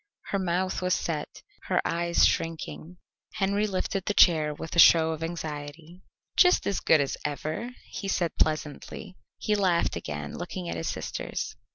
Her mouth was set, her eyes shrinking. Henry lifted the chair with a show of anxiety. "Just as good as ever," he said pleasantly. He laughed again, looking at his sisters.